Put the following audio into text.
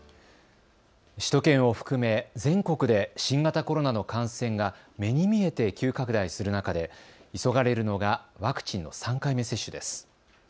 首都圏を含め全国で新型コロナの感染が目に見えて急拡大する中で急がれるのがワクチンの３回目接種です。